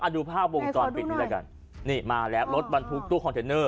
ดูภาพวงจรปิดนี้แล้วกันนี่มาแล้วรถบรรทุกตู้คอนเทนเนอร์